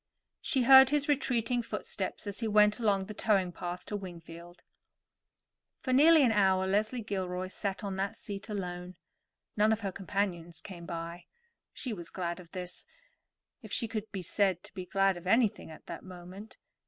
She heard his retreating footsteps as he went along the towing path to Wingfield. For nearly an hour Leslie Gilroy sat on that seat alone. None of her companions came by. She was glad of this, if she could be said to be glad of anything at that moment.